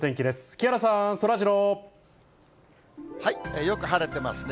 木原さん、そらジロー。よく晴れてますね。